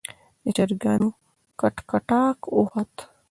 د چرګانو کټکټاک وخوت.